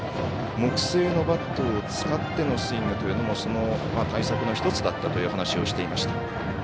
木製のバットを使ってのスイングというのもその対策の１つだったという話をしていました。